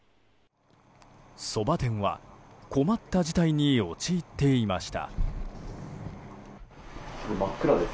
そば店は困った事態に陥っていました。